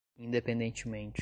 independentemente